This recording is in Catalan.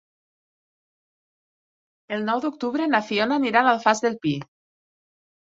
El nou d'octubre na Fiona anirà a l'Alfàs del Pi.